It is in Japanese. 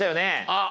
あっ！